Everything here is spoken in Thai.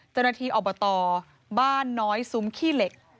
เจ้าหน้าที่อบตบ้านน้อยซุ้มขี้เหล็ก